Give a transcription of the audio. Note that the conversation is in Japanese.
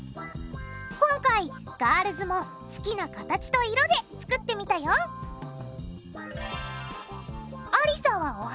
今回ガールズも好きな形と色で作ってみたよありさはお花。